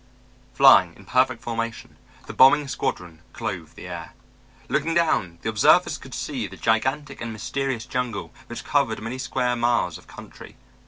Flying in perfect formation, the bombing squadron clove the air. Looking down, the observers could see the gigantic and mysterious jungle which covered many square miles of country.